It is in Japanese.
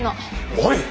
おい！